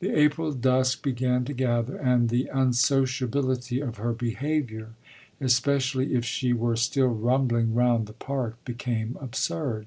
The April dusk began to gather and the unsociability of her behaviour, especially if she were still rumbling round the Park, became absurd.